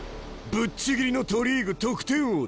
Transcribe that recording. ぶっちぎりの都リーグ得点王だ。